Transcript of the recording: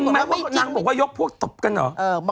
น้ำบอกว่ายกพวกตบกันเหรอ